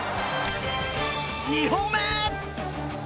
２本目！